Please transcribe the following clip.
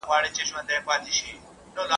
چي مي پل پکښي زده کړی چي مي ایښی پکښي ګام دی ..